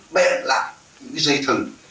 bẹn lại những cái dây thừng